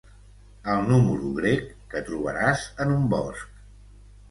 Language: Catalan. El número grec que trobaràs en un bosc.